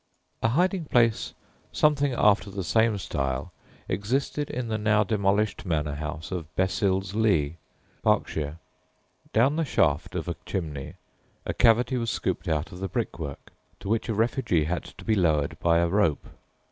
A hiding place something after the same style existed in the now demolished manor house of Besils Leigh, Berks. Down the shaft of a chimney a cavity was scooped out of the brickwork, to which a refugee had to be lowered by a rope.